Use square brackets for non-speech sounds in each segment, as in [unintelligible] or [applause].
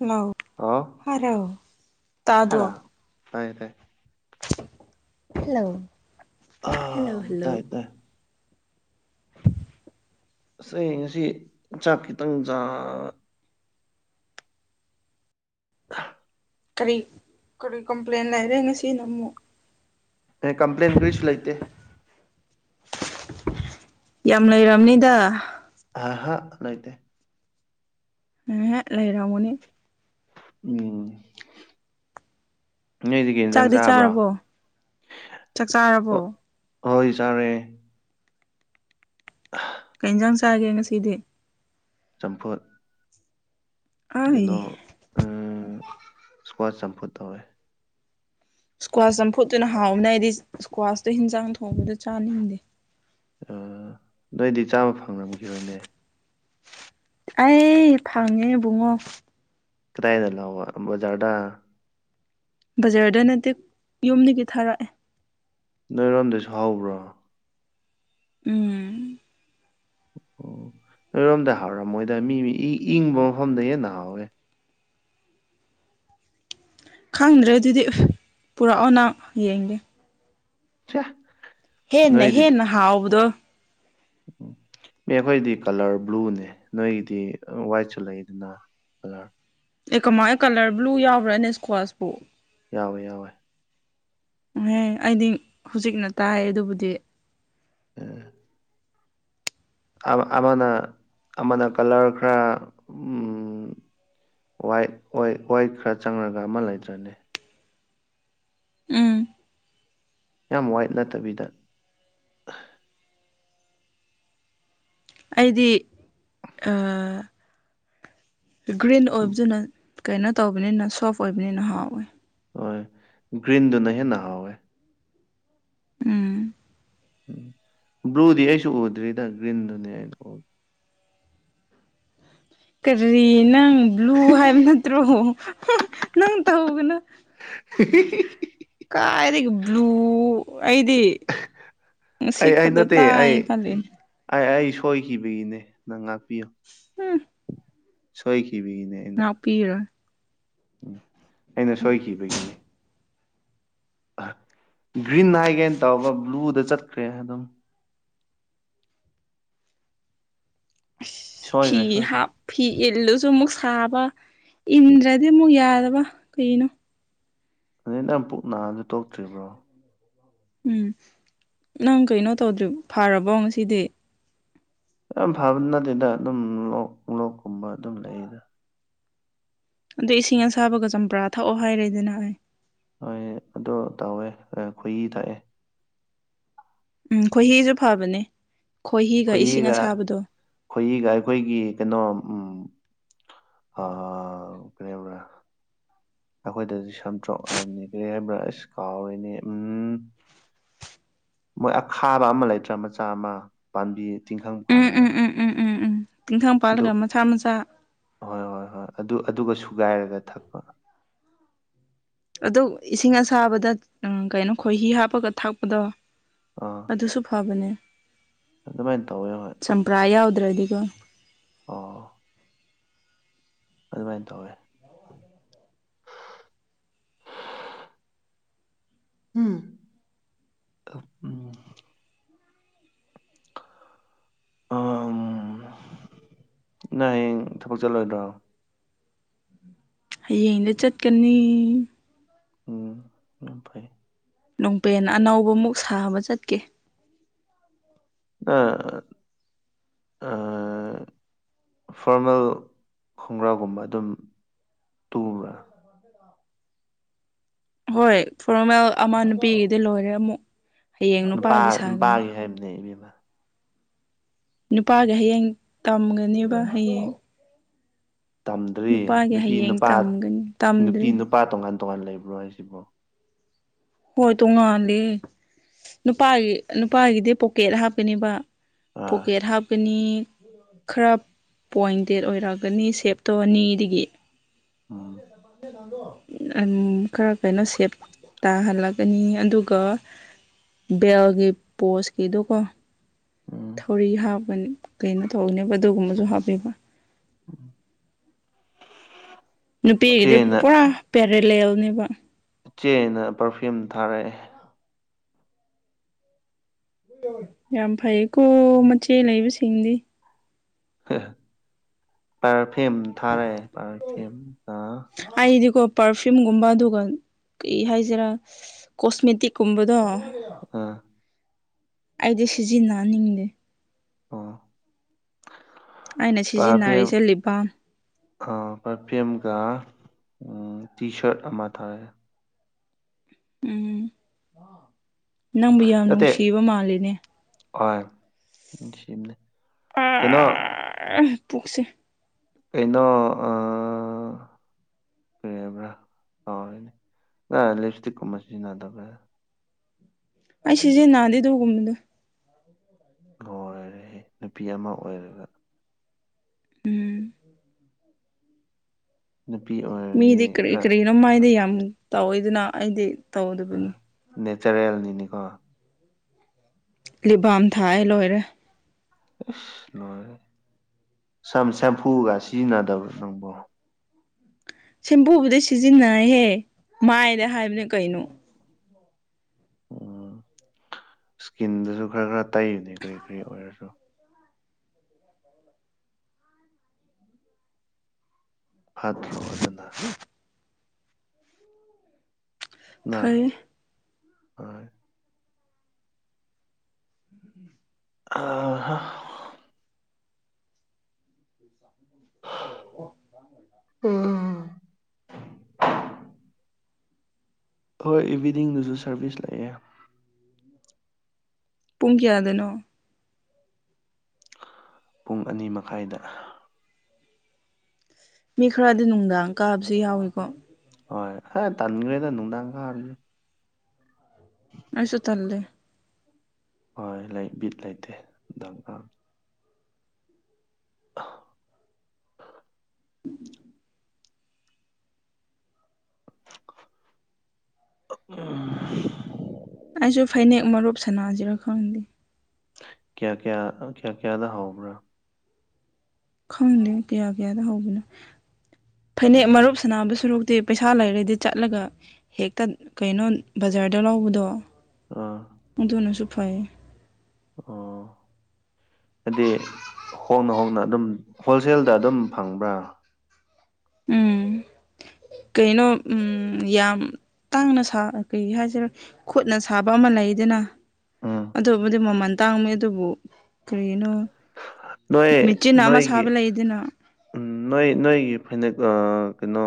ꯂꯧ ꯍꯥꯎ ꯍꯥꯜꯂꯣ ꯇꯥꯗ꯭ꯔꯣ ꯇꯥꯏꯌꯦ ꯇꯥꯏꯌꯦ ꯍꯜꯂꯣ ꯍꯜꯂꯣ ꯑꯝ ꯍꯜꯂꯣ ꯇꯥꯏ ꯇꯥꯏ ꯑꯁ ꯑꯩ ꯉꯁꯤ ꯆꯥꯛ ꯈꯤꯇꯪ ꯆꯥ [inaudible] ꯀꯔꯤ ꯀꯔꯤ ꯀꯝꯄ꯭ꯂꯦꯟ ꯂꯩꯔꯦ ꯉꯁꯤꯅ ꯑꯃꯨꯛ ꯑꯩ ꯀꯝꯄ꯭ꯂꯦꯟ ꯀꯔꯤꯁꯨ ꯂꯩꯇꯦ ꯌꯥꯝ ꯂꯩꯔꯝꯅꯤꯗ ꯑꯍꯥꯥ ꯂꯩꯇꯦ ꯎꯝꯍꯨꯝ ꯂꯩꯔꯝꯒꯅꯤ ꯎꯝ ꯅꯣꯏꯗꯤ ꯀꯩ ꯏꯟꯖꯥꯡ ꯆꯥꯛꯇꯤ ꯆꯥꯕ꯭ꯔꯣ ꯆꯥꯔꯕꯣ ꯆꯥꯛ ꯆꯥꯔꯕꯣ ꯑꯣ ꯍꯣꯏ ꯆꯥꯔꯦ ꯑ ꯀꯩ ꯏꯟꯖꯥꯡ ꯆꯥꯒꯦ ꯉꯁꯤꯗꯤ ꯆꯝꯐꯨꯠ ꯀꯩꯅꯣ ꯑꯩ ꯎꯝ ꯏꯁꯀ꯭ꯋꯥꯆ ꯆꯝꯐꯨꯠ ꯇꯧꯋꯦ ꯏꯁ꯭ꯀ꯭ꯋꯥꯁ ꯆꯝꯐꯨꯠꯇꯨꯅ ꯍꯥꯎꯕꯅꯦ ꯑꯩꯗꯤ ꯏꯁꯀ꯭ꯋꯥꯁꯇꯣ ꯍꯤꯟꯖꯥꯡ ꯊꯣꯡꯕꯗꯣ ꯆꯥꯅꯤꯡꯗꯦ ꯑ ꯅꯣꯏꯗꯤ ꯆꯥꯕ ꯐꯪꯂꯝꯈꯤꯔꯣꯏꯅꯦ ꯑꯩ ꯐꯪꯉꯦ ꯕꯨꯡꯉꯣ ꯀꯗꯥꯏꯗ ꯂꯧꯕ ꯕꯖꯥꯔꯗ ꯕꯖꯥꯔꯗ ꯅꯠꯇꯦ ꯌꯨꯝꯗꯒꯤ ꯊꯥꯔꯛꯑꯦ ꯅꯣꯏꯔꯣꯝꯗꯁꯨ ꯍꯧꯕ꯭ꯔꯣ ꯑꯣ ꯎꯝ [inaudible] ꯅꯣꯏꯔꯣꯝꯗ ꯍꯥꯎꯔꯝꯃꯣꯏꯗ ꯃꯤ ꯏ ꯏꯪꯕ ꯃꯐꯝꯗ ꯍꯦꯟꯅ ꯍꯥꯎꯋꯦ ꯈꯪꯗ꯭ꯔꯦ ꯑꯗꯨꯗꯤ ꯄꯨꯔꯛꯑꯣ ꯅꯪ ꯌꯦꯡꯒꯦ ꯆꯥ ꯍꯦꯟꯅ ꯍꯦꯟꯅ ꯍꯥꯎꯕꯗꯣ ꯃꯤ ꯑꯩꯈꯣꯏꯗꯤ ꯀꯂꯔ ꯕ꯭ꯂꯨꯅꯦ ꯅꯣꯏꯒꯤꯗꯤ ꯋꯥꯏꯠꯁꯨ ꯂꯩꯗꯅ [unintelligible] ꯑꯦ ꯀꯃꯥꯏ ꯀꯂꯔ ꯕ꯭ꯂꯨ ꯌꯥꯎꯕ꯭ꯔꯥꯅꯦ ꯁꯀ꯭ꯋꯥꯁꯄꯨ ꯌꯥꯎꯋꯦ ꯌꯥꯎꯋꯦ [unintelligible] ꯑꯩꯗꯤ ꯍꯧꯖꯤꯛꯅ ꯇꯥꯏ ꯑꯗꯨꯕꯨꯗꯤ ꯎꯝ ꯑꯃ ꯑꯃꯅ ꯑꯃꯅ ꯀꯂꯔ ꯈꯔ ꯎꯝ ꯋꯥꯏꯠ ꯑꯣꯏ ꯋꯥꯏꯠ ꯈꯔ ꯆꯪꯔꯒ ꯑꯃ ꯂꯩꯇ꯭ꯔꯅꯦ ꯎꯝ ꯌꯥꯝ ꯋꯥꯏꯠ ꯅꯠꯇꯕꯤꯗ ꯑꯩꯗꯤ ꯑꯥ ꯒ꯭ꯔꯤꯟ ꯑꯣꯏꯕꯗꯨꯅ ꯀꯩꯅꯣ ꯇꯧꯕꯅꯤꯅ ꯁꯣꯐ ꯑꯣꯏꯕꯅꯤꯅ ꯍꯥꯎꯋꯦ ꯍꯣꯏ ꯒ꯭ꯔꯤꯟꯗꯨꯅ ꯍꯦꯟꯅ ꯍꯥꯎꯋꯦ ꯎꯝ ꯎꯝ ꯕ꯭ꯂꯨꯗꯤ ꯑꯩꯁꯨ ꯎꯗ꯭ꯔꯤꯗ ꯒ꯭ꯔꯤꯟꯗꯨꯅꯤ ꯑꯩꯅ ꯎꯕ ꯀꯔꯤ ꯅꯪ ꯕ꯭ꯂꯨ ꯍꯥꯏꯕ ꯅꯠꯇ꯭ꯔꯣ ꯅꯪ [unintelligible] ꯇꯧꯒꯅꯣ [unintelligible] ꯀꯥꯏꯗꯒꯤ ꯕ꯭ꯂꯨ ꯑꯩꯗꯤ ꯉꯁꯤ ꯑꯩ ꯑꯩ ꯈꯛꯇ ꯅꯠꯇꯦ ꯇꯥꯏ ꯑꯩ ꯈꯜꯂꯤ ꯑꯩ ꯑꯩ ꯁꯣꯏꯈꯤꯕꯒꯤꯅꯦ ꯅꯪ ꯉꯥꯛꯄꯤꯌꯨ ꯎꯝ ꯁꯣꯏꯈꯤꯕꯒꯤꯅꯦ ꯑꯩꯅ ꯉꯥꯛꯄꯤꯔꯣꯏ ꯎꯝ ꯑꯩꯅ ꯁꯣꯏꯈꯤꯕꯒꯤꯅꯦ ꯑꯥ ꯒ꯭ꯔꯤꯟ ꯍꯥꯏꯒꯦꯅ ꯇꯧꯕ ꯕ꯭ꯂꯨꯗ ꯆꯠꯈ꯭ꯔꯦ ꯑꯗꯨꯝ ꯑꯁ ꯐꯤ ꯁꯣꯏꯈ꯭ꯔꯦ ꯁꯣꯏꯈ꯭ꯔꯦ ꯍꯥꯞ ꯐꯤ ꯏꯜꯂꯨꯁꯨ ꯃꯨꯛ ꯁꯥꯕ ꯏꯟꯗ꯭ꯔꯗꯤ ꯃꯨꯛ ꯌꯥꯗꯕ ꯀꯩꯅꯣ [unintelligible] ꯅꯪ ꯄꯨꯛ ꯅꯥꯕꯗꯨ ꯇꯣꯛꯇ꯭ꯔꯤꯕ꯭ꯔꯣ ꯎꯝ ꯅꯪ ꯀꯩꯅꯣ ꯇꯧꯗ꯭ꯔꯤ ꯐꯥꯔꯕꯣ ꯉꯁꯤꯗꯤ ꯌꯥꯝ ꯐꯕ ꯅꯠꯇꯦꯗ ꯑꯗꯨꯝ ꯂꯣꯛ ꯂꯣꯛꯀꯨꯝꯕ ꯑꯗꯨꯝ ꯂꯩꯌꯦꯗꯥ ꯑꯗꯣ ꯏꯁꯤꯡ ꯑꯁꯥꯕꯒ ꯆꯝꯄ꯭ꯔꯥ ꯊꯛꯑꯣ ꯍꯥꯏꯔꯦꯗꯅ ꯑꯩ ꯍꯣꯏ ꯑꯗꯣ ꯇꯧꯋꯦ ꯑ ꯈꯣꯏꯍꯤ ꯊꯛꯑꯦ ꯎꯝ ꯈꯣꯏꯍꯤꯁꯨ ꯐꯕꯅꯦ ꯏꯁꯤꯡ ꯈꯣꯏꯍꯤꯒ ꯑꯁꯥꯕꯗꯣ ꯈꯣꯏꯍꯤꯒ ꯑꯩꯈꯣꯏꯒꯤ ꯀꯩꯅꯣ ꯎꯝ ꯑ [unintelligible] [inaudible] ꯑꯈꯣꯏꯗꯗꯤ ꯁꯝꯇ꯭ꯔꯣꯛ ꯍꯥꯏꯕꯅꯤ ꯀꯔꯤ ꯍꯥꯏꯕ꯭ꯔꯥ ꯑꯁ ꯀꯥꯎꯔꯤꯅꯦ ꯎꯝ ꯃꯣꯏ ꯑꯈꯥꯕ ꯑꯃ ꯂꯩꯇ꯭ꯔꯥ ꯃꯆꯥ ꯑꯃ ꯄꯥꯟꯕꯤ ꯇꯤꯡꯈꯪ ꯎꯝ ꯄꯥꯜꯂꯒ ꯎꯝ ꯎꯝ ꯎꯝ ꯎꯝ ꯎꯝ ꯇꯤꯡꯈꯪ ꯑꯗꯨ ꯄꯥꯜꯂꯒ ꯃꯆꯥ ꯃꯆꯥ ꯍꯣꯏ ꯍꯣꯏ ꯍꯣꯏ ꯑꯗꯨ ꯑꯗꯨꯒ ꯁꯨꯒꯥꯏꯔꯒ ꯊꯛꯄ ꯑꯗꯨ ꯏꯁꯤꯡ ꯑꯁꯥꯕꯗ ꯎꯝ ꯀꯩꯅꯣ ꯈꯣꯏꯍꯤ ꯍꯥꯞꯄꯒ ꯊꯥꯛꯄꯗꯣ ꯑꯥ ꯑꯗꯨꯁꯨ ꯐꯕꯅꯦ ꯑꯗꯨꯃꯥꯏꯅ ꯇꯧꯋꯦ ꯍꯣꯏ ꯆꯝꯄ꯭ꯔꯥ ꯌꯥꯎꯗ꯭ꯔꯗꯤꯒꯣ ꯑꯗꯨꯃꯥꯏꯟ ꯇꯧꯋꯦ ꯎꯝ [inaudible] ꯑꯥꯝ ꯅꯪ ꯍꯌꯦꯡ ꯊꯕꯛ ꯆꯠꯂꯣꯏꯗ꯭ꯔꯣ ꯍꯌꯦꯡꯗꯤ ꯆꯠꯀꯅꯤ ꯎꯝ ꯌꯥꯝ ꯐꯩ ꯅꯨꯡꯄꯦꯟ ꯑꯅꯧꯕꯃꯨꯛ ꯁꯥꯕ ꯆꯠꯀꯦ ꯑ ꯑ ꯑ ꯐꯣꯔꯃꯦꯜ ꯈꯣꯡꯒ꯭ꯔꯥꯎꯒꯨꯝꯕ ꯑꯗꯨꯝ ꯇꯨꯕ꯭ꯔꯥ [inaudible] ꯍꯣꯏ ꯐꯣꯔꯃꯦꯜ ꯑꯃ ꯅꯨꯄꯤꯒꯤꯗꯤ ꯂꯣꯏꯔꯦ ꯑꯃꯨꯛ ꯍꯌꯦꯡ ꯅꯨꯄꯥꯒꯤ ꯁꯥꯒꯅꯤ [unintelligible] ꯍꯥꯏꯝꯅꯦ ꯏꯕꯦꯝꯃ ꯅꯨꯄꯥꯒꯤ ꯍꯌꯦꯡ ꯇꯝꯒꯅꯦꯕ ꯍꯌꯦꯡ ꯇꯝꯗ꯭ꯔꯤ ꯅꯨꯄꯥꯒꯤ ꯅꯨꯄꯤ ꯍꯌꯦꯡ ꯅꯨꯄꯥ ꯇꯝꯒꯅꯤ ꯅꯨꯄꯤ ꯇꯝꯗ꯭ꯔꯤ ꯅꯨꯄꯥ ꯇꯣꯉꯥꯟ ꯇꯣꯉꯥꯟ ꯂꯩꯕ꯭ꯔꯣ ꯍꯥꯏꯖꯤꯕꯣ ꯍꯣꯏ ꯇꯣꯉꯥꯜꯂꯦ ꯅꯨꯄꯥꯒꯤ ꯅꯨꯄꯥꯒꯤꯗꯤ ꯄꯣꯀꯦꯠ ꯍꯥꯞꯀꯅꯦꯕ ꯑꯥ ꯄꯣꯀꯦꯠ ꯍꯥꯞꯀꯅꯤ ꯈꯔ ꯄꯣꯏꯟꯇꯦꯠ ꯑꯣꯏꯔꯛꯒꯅꯤ ꯁꯦꯞꯇꯣ ꯑꯅꯤꯗꯒꯤ ꯎꯝ ꯑꯟ ꯈꯔ ꯀꯩꯅꯣ ꯁꯦꯞ ꯇꯥꯍꯜꯂꯛꯀꯅꯤ ꯑꯗꯨꯒ ꯕꯦꯜꯒꯤ ꯄꯣꯁꯀꯤꯗꯣꯀꯣ ꯎꯝ ꯊꯧꯔꯤ ꯍꯥꯞꯀꯅꯤ ꯀꯩꯅꯣ ꯇꯧꯅꯦꯕ ꯑꯗꯨꯒꯨꯝꯕꯗꯨ ꯍꯥꯞꯄꯦꯕ ꯅꯨꯄꯤꯒꯤꯗꯤ ꯏꯆꯦꯅ ꯄꯨꯔꯥ ꯄꯦꯔꯦꯂꯦꯜꯅꯦꯕ ꯆꯦꯅ ꯄꯔꯐ꯭ꯌꯨꯝ ꯊꯥꯔꯑꯦ ꯌꯥꯝ ꯐꯩꯀꯣ ꯃꯆꯦ ꯂꯩꯕꯁꯤꯡꯗꯤ [unintelligible] ꯄꯥꯔꯐꯤꯝ ꯊꯥꯔꯛꯑꯦ ꯄꯥꯔꯐꯤꯝ ꯑ ꯑꯩꯗꯤꯀꯣ ꯄꯥꯔꯐ꯭ꯌꯨꯝꯒꯨꯝꯕ ꯑꯗꯨꯒ ꯀꯩ ꯍꯥꯏꯖꯤꯔ ꯀꯣꯁꯃꯦꯇꯤꯛ ꯀꯨꯝꯕꯗꯣ ꯑ ꯑꯩꯗꯤ ꯁꯤꯖꯤꯟꯅꯍꯟꯅꯤꯡꯗꯦ ꯑꯣ ꯑꯩꯅ ꯁꯤꯖꯤꯟꯅꯔꯤꯁꯦ ꯂꯤꯞ ꯕꯥꯝ ꯑ ꯄꯔꯐꯤꯝꯒ ꯎꯝ ꯇꯤ ꯁꯔꯠ ꯑꯃ ꯊꯥꯔꯛꯑꯦ ꯎꯝ ꯅꯪꯕꯨ ꯌꯥꯝ ꯅꯨꯡꯁꯤꯕ ꯃꯥꯜꯂꯤꯅꯦ ꯍꫭꯏ ꯅꯨꯡꯁꯤꯝꯅꯦ ꯀꯩꯅꯣ [unintelligible] ꯄꯨꯛꯁꯦ ꯀꯩꯅꫭ ꯑ [unintelligible] ꯀꯩ ꯍꯥꯏꯕ꯭ꯔ ꯀꯥꯎꯔꯦꯅꯦ ꯅꯪ ꯂꯤꯞꯁꯇꯤꯛꯀꯨꯝꯕ ꯁꯤꯖꯤꯟꯅꯗꯕ꯭ꯔ ꯑꯩ ꯁꯤꯖꯤꯟꯅꯗꯦ ꯑꯗꯨꯒꯨꯝꯕꯗꯣ [inaudible] ꯂꯣꯏꯔꯦꯍꯦ ꯅꯨꯄꯤ ꯑꯃ ꯑꯣꯏꯔꯒ ꯅꯨꯄꯤ ꯑꯣꯏꯔꯗꯤ ꯃꯤꯗꯤ ꯀ꯭ꯔꯤ ꯈꯔ ꯀ꯭ꯔꯤꯅꯣ ꯃꯥꯏꯗ ꯌꯥꯝ ꯇꯧꯋꯤꯗꯅ ꯑꯩꯗꯤ ꯇꯧꯗꯕꯅꯤ ꯅꯦꯆꯔꯦꯜꯅꯤꯅꯤꯀꯣ ꯂꯤꯞ ꯕꯥꯝ ꯊꯥꯏ ꯂꯣꯏꯔꯦ ꯏꯁ ꯂꯣꯏꯔꯦ ꯁꯝ ꯁꯦꯝꯐꯨꯒ ꯁꯤꯖꯤꯟꯅꯗꯕ꯭ꯔꯣ ꯅꯪꯕꯣ ꯁꯦꯝꯄꯨꯕꯨꯨꯗꯤ ꯁꯤꯖꯤꯟꯅꯩꯍꯦ ꯃꯥꯏꯗ ꯍꯥꯏꯕꯅꯦ ꯀꯩꯅꯣ ꯎꯝ ꯁ꯭ꯀꯤꯟꯗꯨꯁꯨ ꯈꯔ ꯈꯔ ꯇꯩꯕꯅꯦ ꯀꯔꯤ ꯀꯔꯤ ꯑꯣꯏꯔꯁꯨ [inaudible] [inaudible] ꯐꯠꯇ꯭ꯔꯣ ꯑꯗꯨꯅ ꯐꯩ [unintelligible] ꯍꯣꯏ ꯑꯥ ꯍꯥ ꯑꯧ ꯎꯝ ꯍꯣꯏ ꯏꯚꯤꯅꯤꯡꯗꯁꯨ ꯁꯥꯔꯚꯤꯁ ꯂꯩꯑꯦ ꯄꯨꯡ ꯀꯌꯥꯗꯅꯣ ꯄꯨꯡ ꯑꯅꯤ ꯃꯈꯥꯏꯗ ꯃꯤ ꯈꯔꯗꯤ ꯅꯨꯡꯗꯥꯡ ꯀꯥꯕꯁꯨ ꯌꯥꯎꯏꯀꯣ ꯍꯣꯏ ꯑꯦ ꯇꯥꯟꯒ꯭ꯔꯦꯗ ꯅꯨꯡꯗꯥꯡ ꯀꯕꯗꯤ ꯑꯩꯁꯨ ꯇꯜꯂꯦ ꯍꯣꯏ ꯂꯩ ꯕꯤꯠ ꯂꯩꯇꯦ [inaudible] ꯎꯝ [unintelligible] ꯑꯩꯁꯨ ꯐꯅꯦꯛ ꯃꯔꯨꯞ ꯁꯥꯟꯅꯁꯤꯔꯥ ꯈꯪꯗꯦ ꯀꯌꯥ ꯀꯌꯥ ꯀꯌꯥ ꯀꯌꯥꯗ ꯍꯧꯕ꯭ꯔꯥ ꯈꯪꯗꯦ ꯀꯌꯥ ꯀꯌꯥꯗ ꯍꯧꯕꯅꯣ ꯐꯅꯦꯛ ꯃꯔꯨꯞ ꯁꯅꯥꯕ ꯁꯨꯔꯣꯛꯇꯤ ꯄꯩꯁꯥ ꯂꯩꯔꯗꯤ ꯆꯠꯂꯒ ꯍꯦꯛꯇ ꯀꯩꯅꯣ ꯕꯖꯥꯔꯗ ꯂꯧꯕꯗꯣ ꯑꯝ ꯑꯗꯨꯅꯁꯨ ꯐꯩꯌꯦ ꯑꯣ ꯍꯥꯏꯗꯤ ꯍꯣꯡꯅ ꯍꯣꯡꯅ ꯑꯗꯨꯝ ꯍꯣꯜꯁꯦꯜꯗ ꯑꯗꯨꯝ ꯐꯪꯕ꯭ꯔꯥ ꯎꯝ ꯀꯩꯅꯣ ꯎꯝ ꯌꯥꯝ ꯇꯥꯡꯅ ꯁꯥ ꯀꯩ ꯍꯥꯏꯁꯤꯔꯥ ꯈꯨꯠꯅ ꯁꯥꯕ ꯑꯃ ꯂꯩꯗꯅ ꯎꯝ ꯑꯗꯨꯕꯨꯗꯤ ꯃꯃꯜ ꯇꯥꯡꯕꯅꯦ ꯑꯗꯨꯕꯨ ꯀꯔꯤꯒꯤꯅꯣ ꯅꯣꯏ ꯃꯦꯆꯤꯟ ꯑꯃ ꯅꯣꯏꯒꯤ ꯁꯥꯕ ꯂꯩꯗꯅ ꯅꯣꯏ ꯅꯣꯏꯒꯤ ꯐꯅꯦꯛ ꯀꯩꯅꯣ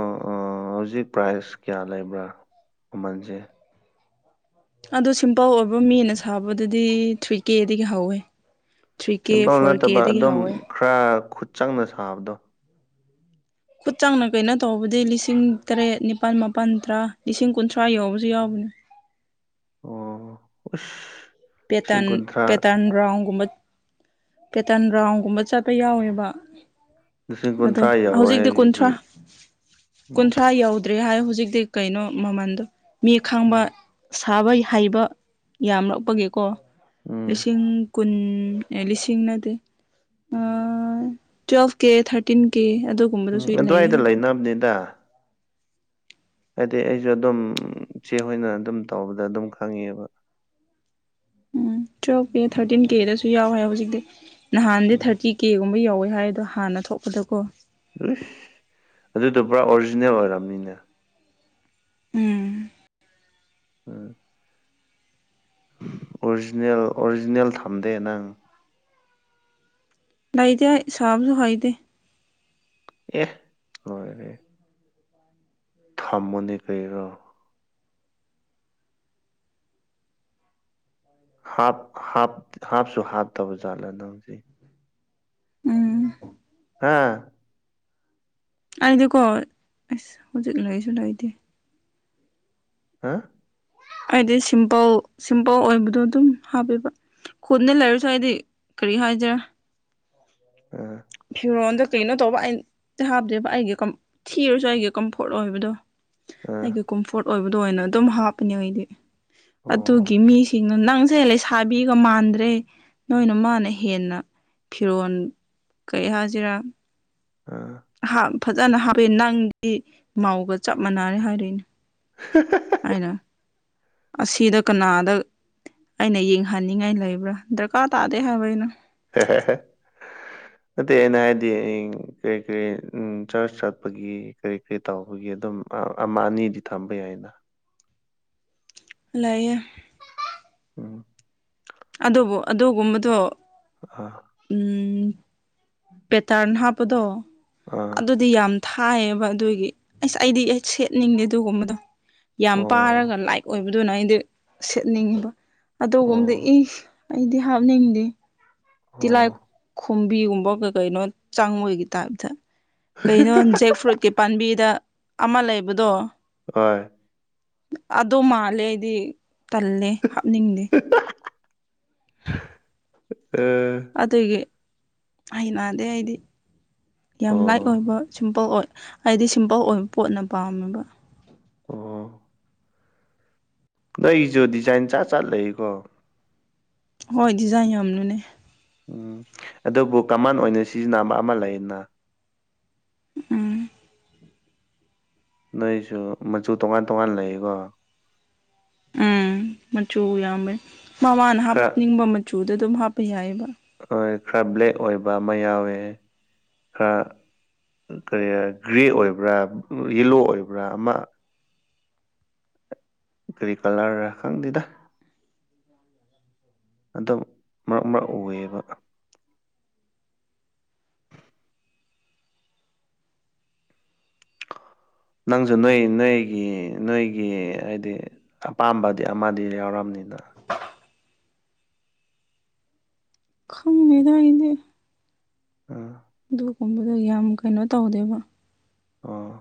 ꯍꯧꯖꯤꯛ ꯄ꯭ꯔꯥꯏꯖ ꯀꯌꯥ ꯂꯩꯕ꯭ꯔꯥ ꯃꯃꯟꯁꯦ ꯑꯗꯣ ꯁꯤꯝꯄꯜ ꯑꯣꯏꯕ ꯃꯤꯅ ꯁꯥꯕꯗꯨꯗꯤ ꯊ꯭ꯔꯤ ꯀꯦꯗꯒꯤ ꯍꯧꯋꯦ ꯊ꯭ꯔꯤ ꯀꯦ ꯁꯤꯝꯄꯜ ꯐꯣꯔ ꯅꯠꯇꯕ ꯀꯦꯗꯒꯤ ꯑꯗꯨꯝ ꯍꯧꯋꯦ ꯈꯔ ꯈꯨꯠ ꯆꯪꯅ ꯁꯥꯕꯗꯣ ꯈꯨꯠ ꯆꯥꯡꯅ ꯀꯩꯅꯣ ꯇꯧꯕꯗꯤ ꯂꯤꯁꯤꯡ ꯇꯔꯦꯠ ꯅꯤꯄꯥꯜ ꯃꯥꯄꯜ ꯇꯔꯥ ꯂꯤꯁꯤꯡ ꯀꯨꯟꯊ꯭ꯔꯥ ꯌꯧꯕꯁꯨ ꯌꯥꯎꯕꯅꯦ ꯑꯣ ꯂꯤꯁꯤꯡ ꯄꯦꯇꯥꯔꯟ ꯀꯨꯟꯊ꯭ꯔꯥ ꯄꯦꯇꯥꯔꯟ ꯔꯥꯎꯟꯒꯨꯝꯕ ꯄꯦꯇꯥꯔꯟ ꯔꯥꯎꯟꯒꯨꯝꯕ ꯆꯠꯄ ꯌꯥꯎꯋꯦꯕ ꯂꯤꯁꯤꯡ ꯑꯗꯣ ꯀꯨꯟꯊ꯭ꯔꯥ ꯌꯧꯋꯦ ꯍꯧꯖꯤꯛꯇꯤ ꯀꯨꯟꯊ꯭ꯔꯥ ꯍꯥꯏꯕꯁꯤꯗꯤ ꯎꯝ ꯀꯨꯟꯊ꯭ꯔꯥ ꯌꯧ ꯇ꯭ꯔꯦ ꯍꯥꯏ ꯍꯧꯖꯤꯛꯇꯤ ꯀꯩꯅꯣ ꯃꯃꯟꯗꯣ ꯃꯤ ꯈꯪꯕ ꯎꯝ ꯁꯥꯕ ꯍꯩꯕ ꯌꯥꯝꯂꯛꯄꯒꯤꯀꯣ ꯎꯝ ꯂꯤꯁꯤꯡ ꯀꯨꯟ ꯂꯤꯁꯤꯡ ꯅꯠꯇꯦ ꯇ꯭ꯋꯦꯜꯐ ꯀꯦ ꯊꯥꯔꯇꯤꯟ ꯀꯦ ꯑꯗꯨ ꯎꯝ ꯑꯗꯨꯋꯥꯏꯗ ꯂꯩꯅꯕꯅꯤꯗ ꯍꯥꯏꯗꯤ ꯑꯩꯁꯨ ꯑꯗꯨꯝ ꯏ ꯆꯦ ꯍꯣꯏꯅ ꯑꯗꯨꯝ ꯇꯧꯕꯗ ꯑꯗꯨꯝ ꯈꯪꯉꯦꯕ ꯎꯝ ꯇꯨꯋꯦꯜꯞ ꯀꯦ ꯊꯥꯔꯇꯤꯟ ꯀꯦꯗꯁꯨ ꯌꯥꯎꯋꯦ ꯍꯧꯖꯤꯛꯇꯤ ꯅꯍꯥꯟꯗꯤ ꯎꯝ ꯊꯥꯔꯇꯤ ꯀꯦꯒꯨꯝꯕ ꯌꯥꯎꯋꯦ ꯍꯥꯏ ꯑꯗꯣ ꯍꯥꯟꯅ ꯊꯣꯛꯄꯗꯀꯣ ꯏꯁ ꯑꯗꯨꯗꯣ ꯄꯨꯔꯥ ꯑꯣꯔꯤꯖꯤꯅꯦꯜ ꯑꯣꯏꯔꯝꯅꯤꯅꯦ ꯎꯝ ꯎꯝ ꯑꯣꯔꯤꯖꯤꯅꯦꯜ ꯑꯣꯔꯤꯖꯤꯅꯦꯜ ꯊꯝꯗꯦ ꯅꯪ ꯂꯩꯇꯦ ꯁꯥꯕꯁꯨꯨ ꯍꯩꯇꯦ ꯑꯦ ꯂꯣꯏꯔꯦꯍꯦ ꯊꯝꯃꯣꯅꯦ ꯀꯔꯤꯔ ꯍꯥꯞ ꯍꯥꯞꯁꯨ ꯍꯥꯞꯇꯕ ꯖꯥꯠꯂꯥ ꯅꯪꯖꯤ ꯎꯝ ꯍꯥꯥ ꯑꯩꯗꯤꯀꯣ ꯑꯁ ꯍꯧꯖꯤꯛ ꯂꯩꯁꯨ ꯂꯩꯇꯦ ꯍꯥ ꯑꯩꯗꯤ ꯁꯤꯝꯄꯜ ꯁꯤꯝꯄꯜ ꯑꯣꯏꯕꯗꯣ ꯑꯗꯨꯝ ꯍꯥꯞꯄꯦꯕ ꯈꯨꯗ ꯂꯩꯔꯁꯨ ꯍꯥꯏꯗꯤ ꯀꯔꯤ ꯍꯥꯏꯁꯤꯔꯥ ꯑꯥ ꯐꯤꯔꯣꯟꯜꯗ ꯀꯩꯅꯣ ꯇꯧꯕ ꯑꯩ ꯍꯥꯞꯇꯦꯕ ꯑꯩꯒꯤ ꯊꯤꯔꯁꯨ ꯑꯩꯒꯤ ꯀꯝꯐꯣꯔꯠ ꯑꯣꯏꯕꯗꯣ ꯑ ꯑꯩꯒꯤ ꯀꯝꯐꯣꯔꯠ ꯑꯣꯏꯕꯗꯣ ꯑꯣꯏꯅ ꯑꯗꯨꯝ ꯍꯥꯞꯄꯅꯦ ꯑꯩꯗꯤ ꯑꯗꯨꯒꯤ ꯑꯣ ꯃꯤꯁꯤꯡ ꯅꯪꯁꯦ ꯂꯩꯁꯥꯕꯤꯒ ꯃꯥꯟꯗ꯭ꯔꯦ ꯅꯣꯏ ꯅꯃꯥꯅ ꯍꯦꯟꯅ ꯐꯤꯔꯣꯜ ꯀꯔꯤ ꯍꯥꯏꯁꯤꯔꯥ ꯑꯥ ꯐꯖꯅ ꯍꯥꯞꯄꯦ ꯅꯪꯗꯤ ꯃꯧꯒ ꯆꯞ ꯃꯥꯟꯅꯔꯦ ꯍꯥꯏꯔꯛꯏꯅꯦ ꯑꯩꯅ ꯑꯁꯤꯗ ꯀꯅꯥꯗ ꯑꯩꯅ ꯌꯦꯡꯍꯟꯅꯤꯡꯉꯥꯏ ꯂꯩꯕ꯭ꯔꯥ ꯗꯥꯔꯀꯥꯔ ꯇꯥꯗꯦ ꯍꯥꯏꯕ ꯑꯩꯅ ꯍꯦ ꯍꯦ [unintelligible] ꯅꯠꯇꯦ ꯑꯩꯅ ꯍꯥꯏꯗꯤ ꯀꯔꯤ ꯀꯔꯤ ꯎꯝ ꯆꯥꯔꯆ ꯆꯠꯄꯒꯤ ꯀꯔꯤ ꯀꯔꯤ ꯇꯧꯕꯒꯤ ꯑꯗꯨꯝ ꯑꯃ ꯑꯅꯤꯗꯤ ꯊꯝꯕ ꯌꯥꯏꯅ ꯂꯩꯌꯦ ꯎꯝ ꯑꯗꯨꯕꯨ ꯑꯗꯨꯒꯨꯝꯕꯗꯣ ꯑꯥ ꯎꯝ ꯄꯦꯇꯥꯟ ꯍꯥꯞꯄꯗꯣ ꯑꯥ ꯑꯗꯨ ꯌꯥꯝ ꯊꯥꯏꯌꯦꯕ ꯑꯗꯨꯒꯤ ꯑꯁ ꯑꯩꯗꯤ ꯑꯩ ꯁꯦꯠꯅꯤꯡꯗꯦ ꯑꯗꯨꯒꯨꯝꯕꯗꯣ ꯌꯥꯝ ꯑꯣ ꯄꯥꯔꯒ ꯂꯥꯏꯠ ꯑꯣꯏꯕꯗꯨꯅ ꯑꯩꯗꯤ ꯁꯦꯠꯅꯤꯡꯉꯤꯕ ꯑꯗꯨꯒꯨꯝꯗꯣ ꯑꯣ ꯏ ꯑꯩꯗꯤ ꯍꯥꯞꯅꯤꯡꯗꯦ ꯇꯤꯂꯥꯏ ꯑꯣ ꯈꯣꯝꯕꯤꯒꯨꯝꯕ ꯀꯩ ꯀꯩꯅꯣ ꯆꯪꯕꯒꯤ ꯇꯥꯏꯞꯇ ꯀꯩꯅꯣ ꯖꯦꯛ ꯐ꯭ꯔꯨꯠꯀꯤ ꯄꯥꯝꯕꯤꯗ ꯑꯃ ꯂꯩꯕꯗꯣ ꯍꯣꯏ ꯑꯗꯣ ꯃꯥꯜꯂꯦ ꯑꯩꯗꯤ ꯇꯜꯂꯦ ꯍꯥꯞꯅꯤꯡꯗꯦ ꯑꯥ ꯑꯗꯨꯒꯤ ꯍꯩꯅꯗꯦ ꯑꯩꯗꯤ ꯌꯥꯝ ꯂꯥꯏꯠ ꯑꯣ ꯑꯣꯏꯕ ꯁꯤꯝꯄꯜ ꯑꯣꯏꯕ ꯍꯥꯏꯗꯤ ꯁꯤꯝꯄꯜ ꯑꯣꯏꯕ ꯄꯣꯠꯅ ꯄꯥꯝꯃꯦꯕ ꯑꯣ ꯂꯩꯁꯨ ꯗꯤꯖꯥꯏꯟ ꯖꯠ ꯖꯠ ꯂꯩꯀꯣ ꯍꯣꯏ ꯗꯤꯖꯥꯏꯟ ꯌꯥꯝꯕꯅꯦ ꯎꯝ ꯑꯗꯨꯕꯨ ꯀꯃꯥꯟ ꯑꯣꯏꯅ ꯁꯤꯖꯤꯟꯅꯕ ꯑꯃ ꯂꯩꯌꯦꯅ ꯎꯝ ꯅꯣꯏꯁꯨ ꯃꯆꯨ ꯇꯣꯉꯥꯟ ꯇꯣꯉꯥꯟ ꯂꯩꯀꯣ ꯎꯝ ꯃꯆꯨ ꯌꯥꯝꯃꯦ ꯃꯃꯥꯅ ꯈꯔ ꯍꯥꯞꯅꯤꯡꯕ ꯃꯆꯨꯗꯨ ꯑꯗꯨꯝ ꯍꯥꯞꯄ ꯌꯥꯏꯑꯦꯕ ꯍꯣꯏ ꯈꯔ ꯕ꯭ꯂꯦꯛ ꯑꯣꯏꯕ ꯑꯃ ꯌꯥꯎꯋꯦ ꯈꯔ ꯀꯔꯤ ꯒ꯭ꯔꯦ ꯑꯣꯏꯕ꯭ꯔꯥ ꯌꯦꯂꯣ ꯑꯣꯏꯕ꯭ꯔꯥ ꯑꯃ ꯀꯔꯤ ꯇꯔꯥꯂ ꯈꯪꯗꯦꯗ ꯑꯗꯨ ꯃꯔꯛ ꯃꯔꯛ ꯑꯣꯏꯌꯦꯕ ꯅꯪꯁꯨ ꯅꯣꯏ ꯅꯣꯏꯒꯤ ꯅꯣꯏꯒꯤ ꯍꯥꯏꯗꯤ ꯑꯄꯥꯝꯕꯗꯤ ꯑꯃꯗꯤ ꯌꯥꯎꯔꯝꯅꯤꯅ ꯈꯪꯗꯦꯗ ꯑꯩꯗꯤ ꯎꯝ ꯑꯗꯨꯒꯨꯝꯕꯗꯣ ꯌꯥꯝ ꯀꯩꯅꯣ ꯇꯧꯗꯦꯕ ꯑꯥ